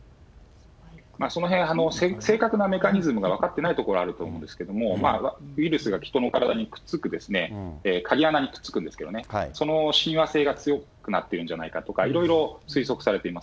そのへん、正確なメカニズムが分かってないところがあると思うんですけれども、ウイルスが人の体にくっつく、鍵穴にくっつくんですけど、その親和性が強くなってるんじゃないかとか、いろいろ推測されています。